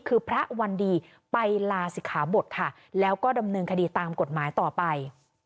คือพระวันดีไปลาศิกขาบทค่ะแล้วก็ดำเนินคดีตามกฎหมายต่อไป